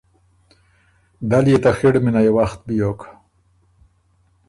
دل يې ته خِړ مِنئ وخت بیوک۔